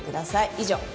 以上。